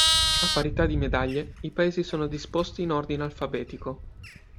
A parità di medaglie, i paesi sono disposti in ordine alfabetico.